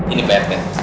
ini pak rete